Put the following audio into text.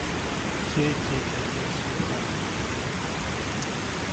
کێ کێکەکەی سووتاند؟